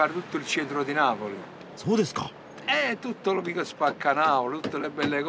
そうですか！